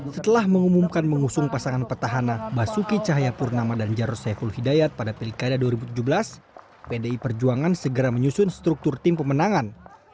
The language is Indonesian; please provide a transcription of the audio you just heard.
setelah mengumumkan mengusung pasangan petahana basuki cahayapurnama dan jaros saiful hidayat pada pilkada dua ribu tujuh belas pdi perjuangan segera menyusun struktur tim pemenangan